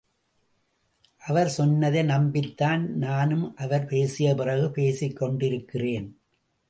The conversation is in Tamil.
அவர் சொன்னதை நம்பித்தான் நானும் அவர் பேசிய பிறகு பேசிக்கொண்டிருக்கிறேன்.